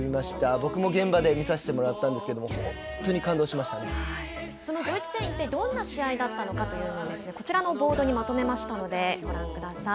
僕も現場で見せてもらったんですけどそのドイツ戦一体どんな試合だったのかというのをこちらのボードにまとめましたのでご覧ください。